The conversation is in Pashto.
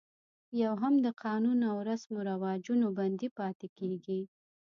یو هم د قانون او رسم و رواجونو بندي پاتې کېږي.